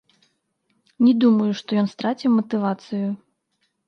Не думаю, што ён страціў матывацыю.